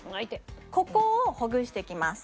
ここをほぐしていきます。